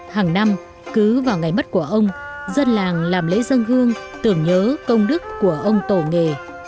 hàng năm cứ vào ngày mất của ông dân làng làm lễ dân hương tưởng nhớ công đức của ông tổ nghề